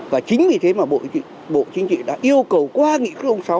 và chính vì thế mà bộ chính trị đã yêu cầu qua nghị quyết sáu